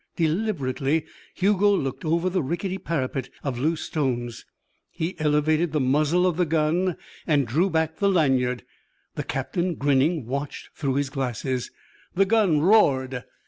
Deliberately, Hugo looked over the rickety parapet of loose stones. He elevated the muzzle of the gun and drew back the lanyard. The captain, grinning, watched through his glasses. The gun roared.